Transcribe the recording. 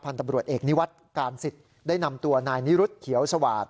พันธุ์ตำรวจเอกนิวัติการศิษย์ได้นำตัวนายนิรุษเขียวสวาสตร์